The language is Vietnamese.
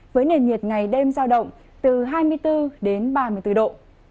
với nền nhiệt ngày đêm giao động từ hai mươi bốn đến ba mươi bốn độ